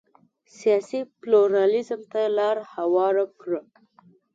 سیاسي پلورالېزم ته لار هواره کړه.